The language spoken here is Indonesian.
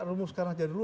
rumuskan aja dulu